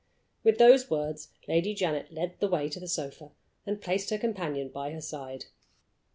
With those words Lady Janet led the way to a sofa, and placed her companion by her side.